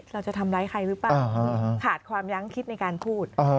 เราจะทำร้ายใครหรือเปล่าขาดความยั้งคิดในการพูด